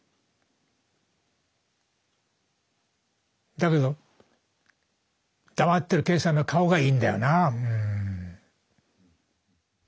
だけど黙ってる健さんの顔がいいんだよなうん。